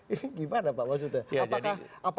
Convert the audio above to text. ini gimana pak maksudnya